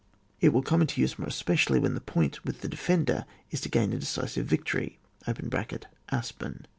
It will come into use more especially when the point with the defender is to gain a decisive victory (Aspem).